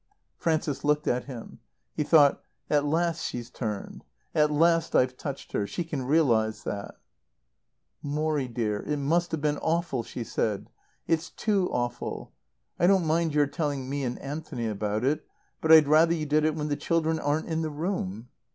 Frances looked at him. He thought: "At last she's turned; at last I've touched her; she can realize that." "Morrie dear, it must have been awful," she said. "It's too awful. I don't mind your telling me and Anthony about it; but I'd rather you did it when the children aren't in the room."